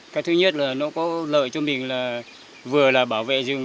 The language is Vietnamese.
cái thứ nhất là nó có lợi cho mình là vừa là bảo vệ rừng